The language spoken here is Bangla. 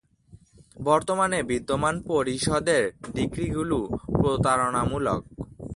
বর্তমানে বিদ্যমান পরিষদের ডিক্রিগুলি প্রতারণামূলক।